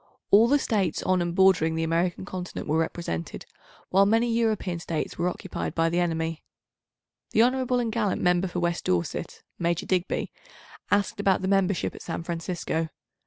All the States on and bordering the American Continent were represented, while many European States were occupied by the enemy. The hon. and gallant Member for West Dorset (Major Digby) asked about the membership at San Francisco.